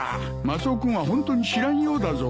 マスオ君はホントに知らんようだぞ。